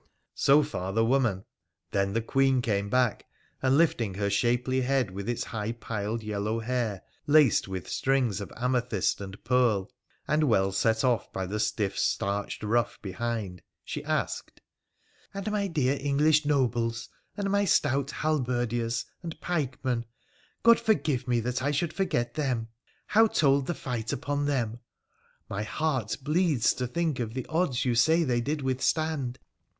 So far the woman — then the Queen came back, and lifting her shapely head, with its high piled yellow hair, laced with strings of amethyst and pearl, and well set off by the great stiff starched ruff behind, she asked —' And my dear English nobles, and my stout halberdiers and pikemen — God forgive me that I should forget them !— how told the fight upon them ? My heart bleeds to think of the odds you say they did withstand.'